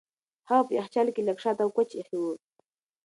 هغه په یخچال کې لږ شات او کوچ ایښي وو.